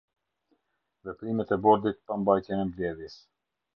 Veprimet e Bordit pa Mbajtjen e Mbledhjes.